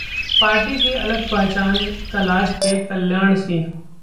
party की अलग पहचान तलाशते कल्याण सिंह